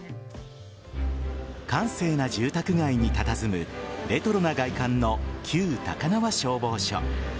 閑静な住宅街にたたずむレトロな外観の旧高輪消防署。